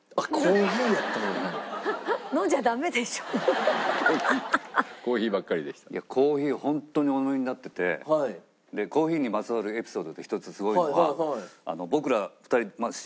いやコーヒーホントにお飲みになっててコーヒーにまつわるエピソードで一つすごいのが。